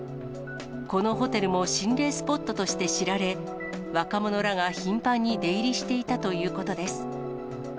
このホテルも心霊スポットとして知られ、若者らが頻繁に出入りしていたということです。